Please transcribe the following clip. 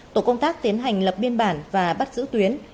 tổ công tác tiến hành lập biên bản và bắt giữ tuyến